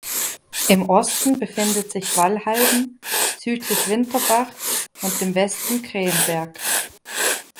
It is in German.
Im Osten befindet sich Wallhalben, südlich Winterbach und im Westen Krähenberg.